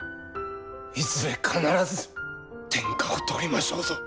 いずれ必ず天下を取りましょうぞ！